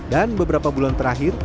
dan beberapa bulan terakhir